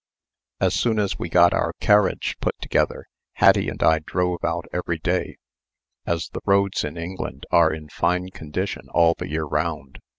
As soon as we got our carriage put together Hattie and I drove out every day, as the roads in England are in fine condition all the year round.